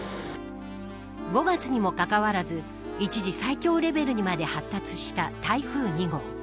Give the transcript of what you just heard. ５月にもかかわらず一時、最強レベルにまで発達した台風２号。